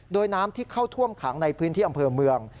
โดยน้ำที่เข้าท่วมขังในพื้นที่อำเภอเมือง